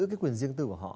cái quyền riêng tư của họ